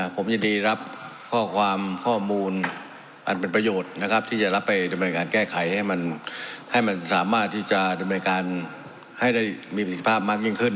ผมยินดีรับข้อความข้อมูลอันเป็นประโยชน์นะครับที่จะรับไปดำเนินการแก้ไขให้มันให้มันสามารถที่จะดำเนินการให้ได้มีประสิทธิภาพมากยิ่งขึ้น